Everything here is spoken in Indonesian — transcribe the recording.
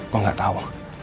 gue gak tau